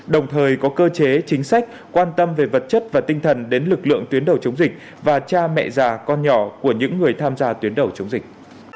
đồng thời có cơ chế chính sách quan tâm về vật chất và tinh thần đến lực lượng tuyến đầu chống dịch và cha mẹ già con nhỏ của những người tham gia tuyến đầu chống dịch